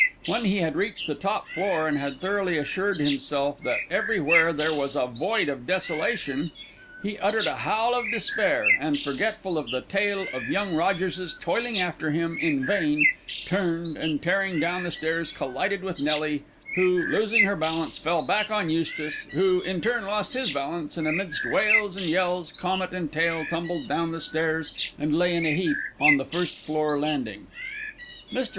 When he had reached the top floor and had thoroughly assured himself that everywhere there was a void of desolation, he uttered a howl of despair, and, forgetful of the tail of young Rogerses toiling after him in vain, turned, and tearing down the stairs collided with Nelly, who, losing her balance, fell back on Eustace, who in turn lost his balance, and amidst wails and yells comet and tail tumbled down the stairs and lay in a heap on the first floor landing. Mr.